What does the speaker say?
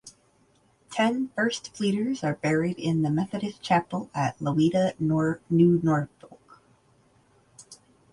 Ten First Fleeters are buried in the Methodist Chapel at Lawitta, New Norfolk.